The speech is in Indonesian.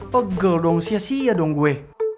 pegel dong sia sia dong gue